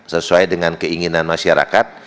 sesuai dengan keinginan masyarakat